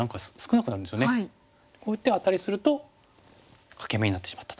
こういう手をアタリすると欠け眼になってしまったと。